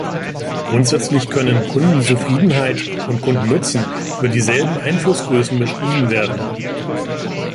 Grundsätzlich können Kundenzufriedenheit und Kundennutzen über dieselben Einflussgrößen beschrieben werden.